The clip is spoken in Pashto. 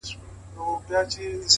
o مـاتــه يــاديـــده اشـــــنـــا،